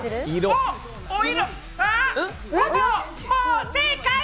もう、正解！